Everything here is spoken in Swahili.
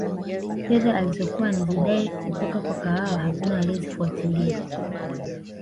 fedha alizokuwa anazidai kutoka kwa kawawa hakuna aliyezifuatilia